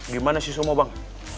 gimana sih semua bang